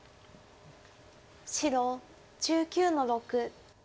白１９の六。